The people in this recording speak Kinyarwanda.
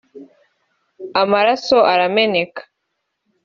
amaraso arameneka